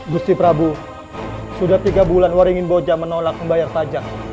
gusti prabu sudah tiga bulan waringin boja menolak membayar pajak